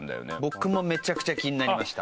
僕もめちゃくちゃ気になりました。